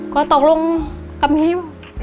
ก็ตกลงกับนี่ว่ะ